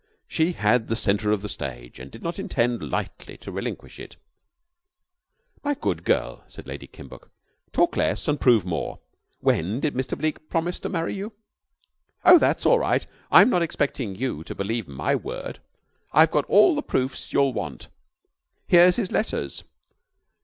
She had the center of the stage, and did not intend lightly to relinquish it. "My good girl," said Lady Kimbuck, "talk less and prove more. When did Mr. Bleke promise to marry you?" "Oh, it's all right. I'm not expecting you to believe my word. I've got all the proofs you'll want. Here's his letters."